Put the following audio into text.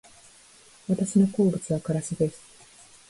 私の好物はからしです